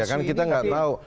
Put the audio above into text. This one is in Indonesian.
kan kita nggak tahu